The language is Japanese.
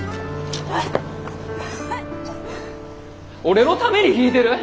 俺のために弾いてる？